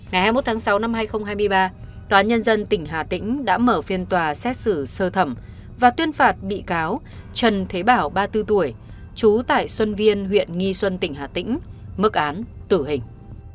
ngày hai mươi một tháng sáu năm hai nghìn hai mươi ba tòa nhân dân tỉnh hà tĩnh đã mở phiên tòa xét xử sơ thẩm và tuyên phạt bị cáo trần thế bảo ba mươi bốn tuổi trú tại xuân viên huyện nghi xuân tỉnh hà tĩnh mức án tử hình